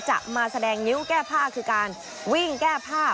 จะมาแสดงนิ้วแก้ผ้าคือการวิ่งแก้ผ้า